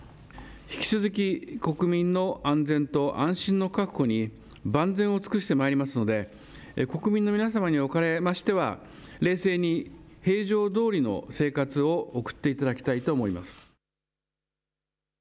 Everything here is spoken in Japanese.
引き続き国民の安全と安心の確保に万全を尽くしてまいりますので、国民の皆様におかれましては、冷静に平常どおりの生活を送っていただきたいと思います。